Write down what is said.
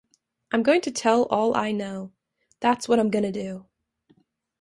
I'm going to tell all I know, that's what I'm gonna do.